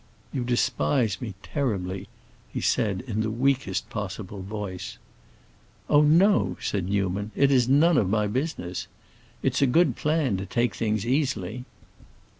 "You despise me terribly," he said, in the weakest possible voice. "Oh no," said Newman, "it is none of my business. It's a good plan to take things easily."